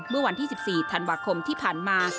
เมื่อวันที่๑๔ธันวาคมที่ผ่านมา